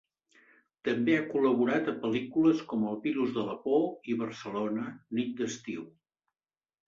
També ha col·laborat a pel·lícules com el Virus de la Por i Barcelona, nit d'estiu.